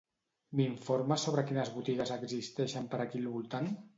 M'informes sobre quines botigues existeixen per aquí al voltant?